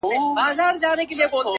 • سل روپۍ پوره كه داختر شپه پر كور كه ,